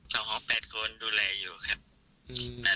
สห๘คนดูแลอยู่ครับ